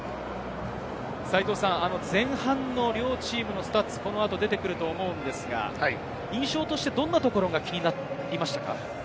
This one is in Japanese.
前半の両チームのスタッツ出てくると思うんですが、印象としてどんなところが気になりましたか？